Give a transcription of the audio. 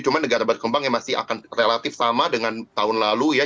cuma negara berkembang yang masih akan relatif sama dengan tahun lalu ya